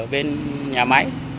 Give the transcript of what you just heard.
bên nhà máy